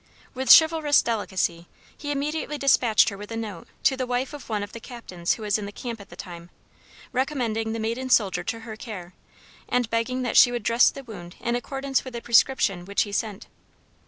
With chivalrous delicacy he immediately dispatched her with a note to the wife of one of the Captains who was in the camp at the time, recommending the maiden soldier to her care, and begging that she would dress the wound in accordance with a prescription which he sent.